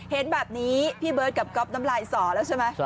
เห็นแบบนี้พี่เบิร์ตกับก๊อฟน้ำลายสอแล้วใช่ไหม